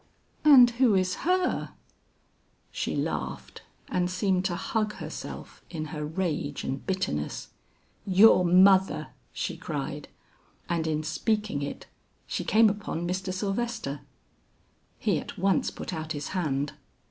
"And who is her?" She laughed and seemed to hug herself in her rage and bitterness. "Your mother!" she cried, and in speaking it, she came upon Mr. Sylvester. He at once put out his hand.